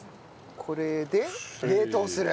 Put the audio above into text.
これで冷凍する。